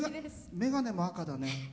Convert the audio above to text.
眼鏡も赤だね。